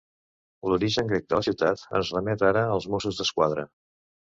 L'origen grec de la ciutat ens remet ara als Mossos d'Esquadra.